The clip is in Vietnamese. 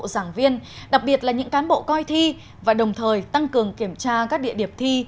giảng viên đặc biệt là những cán bộ coi thi và đồng thời tăng cường kiểm tra các địa điểm thi